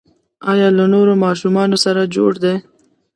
ایا له نورو ماشومانو سره جوړ دي؟